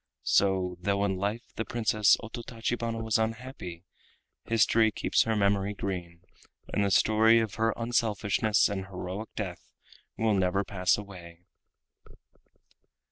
So, though in life the Princess Ototachibana was unhappy, history keeps her memory green, and the story of her unselfishness and heroic death will never pass away.